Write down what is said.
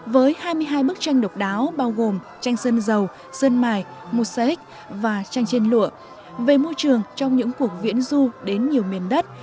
với hai mươi hai bức tranh độc đáo bao gồm tranh sơn dầu sơn mài mù sách và tranh trên lụa về môi trường trong những cuộc viễn du đến nhiều miền đất